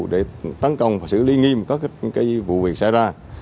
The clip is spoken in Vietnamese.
để tấn công và xử lý nghiêm các vụ việc xảy ra